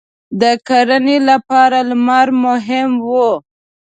• د کرنې لپاره لمر مهم و.